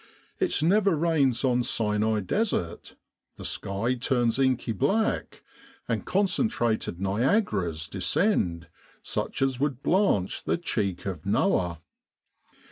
It never rains on Sinai Desert; the sky turns inky black, and concentrated Niagaras descend such as would blanch the cheek of Noah.